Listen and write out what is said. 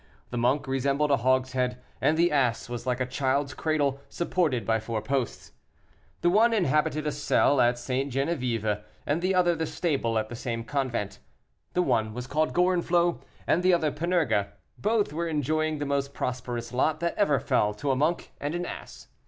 The monk resembled a hogshead; and the ass was like a child's cradle, supported by four posts. The one inhabited a cell at St. Genevieve, and the other the stable at the same convent. The one was called Gorenflot, and the other Panurge. Both were enjoying the most prosperous lot that ever fell to a monk and an ass.